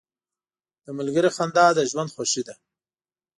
• د ملګري خندا د ژوند خوښي ده.